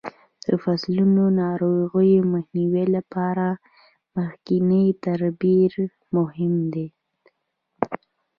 د فصلو د ناروغیو مخنیوي لپاره مخکینی تدبیر مهم دی.